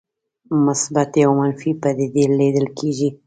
مثبتې او منفي پدیدې لیدل کېږي.